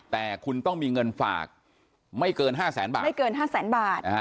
แต่คุณต้องมีเงินฝากไม่เกิน๕แสนบาท